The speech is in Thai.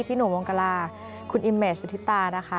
พี่หนูมงกราคุณอิเมจอุทิตา